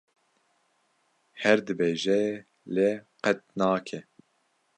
Her dibêje lê qet nake.